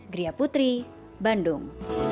gria putri bandung